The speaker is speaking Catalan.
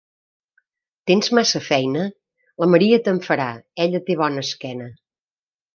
Tens massa feina?: la Maria te'n farà, ella té bona esquena.